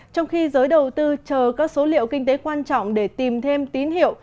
trong khi giới đầu tư chờ các số liệu kinh tế quan trọng để tìm thêm tín hiệu